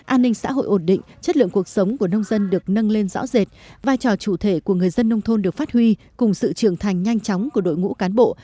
an ninh xã hội ổn định chất lượng cuộc sống của nông dân được nâng lên rõ rệt vai trò chủ thể của người dân nông thôn được phát huy cùng sự trưởng thành nhanh chóng của đội ngũ cán bộ